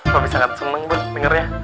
pak gue sangat seneng bang denger ya